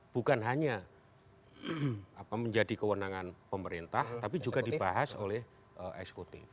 bukan hanya menjadi kewenangan pemerintah tapi juga dibahas oleh eksekutif